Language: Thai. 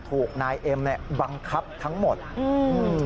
ถูกนายเอ็มเนี้ยบังคับทั้งหมดอืม